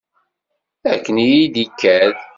Akken i yi-d-ikad.